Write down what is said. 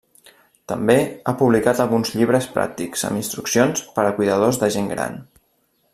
També ha publicat alguns llibres pràctics amb instruccions per a cuidadors de gent gran.